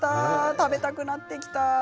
食べたくなってきた。